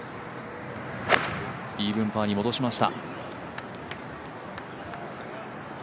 イーブンパーに戻しました。